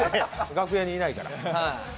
楽屋にいないから。